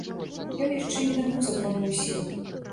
Ён яшчэ не набыў законную сілу.